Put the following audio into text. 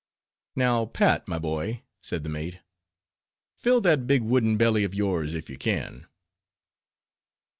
"Now, Pat, my boy," said the mate, "fill that big wooden belly of yours, if you can."